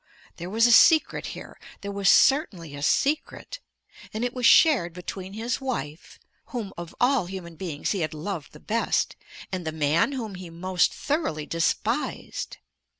There was a secret here, there was certainly a secret; and it was shared between his wife, whom of all human beings he had loved the best, and the man whom he most thoroughly despised.